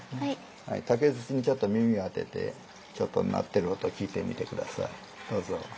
竹筒にちょっと耳を当てて鳴ってる音聴いてみて下さいどうぞ。